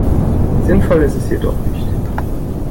Sinnvoll ist es jedoch nicht.